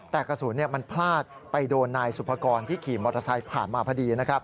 แต่กระสุนมันพลาดไปโดนนายสุภกรที่ขี่มอเตอร์ไซค์ผ่านมาพอดี